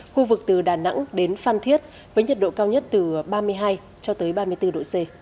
khu vực từ đà nẵng đến phan thiết với nhiệt độ cao nhất từ ba mươi hai cho tới ba mươi bốn độ c